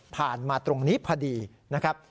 มาตรงนี้พอดีนะครับ